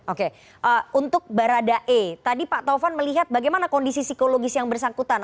oke untuk barada e tadi pak taufan melihat bagaimana kondisi psikologis yang bersangkutan